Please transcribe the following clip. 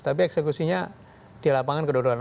tapi eksekusinya di lapangan kedorongan